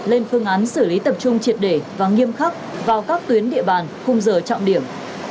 lên phương án xử lý tập trung triệt để và nghiêm khắc vào các tuyến địa bàn khung giờ trọng điểm